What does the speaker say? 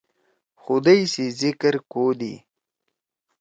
خُدئی سی ذکر کودی۔